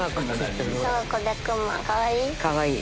かわいい！